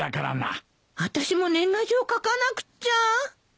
あたしも年賀状書かなくっちゃ。